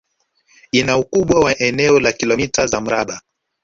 Ina ukubwa wa eneo la kilomita za mraba